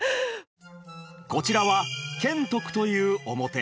こちらは賢徳という面。